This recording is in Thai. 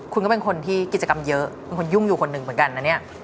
คุณก็เป็นคนที่กิจกรรมเยอะเป็นคนยุ่งอยู่คนหนึ่งเหมือนกันนะเนี่ย